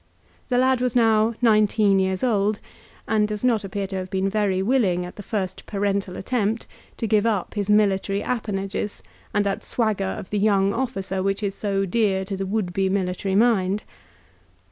The lad was now nineteen years old, and does not appear to have been willing, at the first parental attempt, to give up his military appanages and that swagger of the young officer which is so dear to the would be military mind.